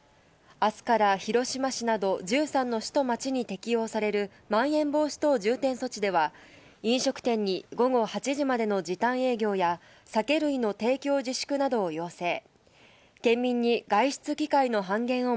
あすから広島市など、１３の市と町に適用される、まん延防止等重点措置では、飲食店に午後８時までの時短営業や、酒類の提供自粛などを要請。